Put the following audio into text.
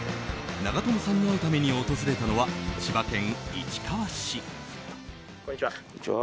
長友さんに会うために訪れたのは千葉県市川市。